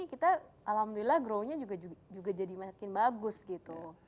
kita alhamdulillah grow nya juga jadi makin bagus gitu